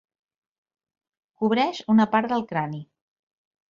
Cobreix una part del crani.